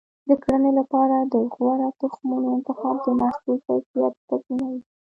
د کرنې لپاره د غوره تخمونو انتخاب د محصول کیفیت تضمینوي.